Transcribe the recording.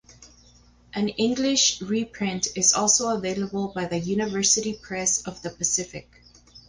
An English reprint is also available by the University Press of the Pacific.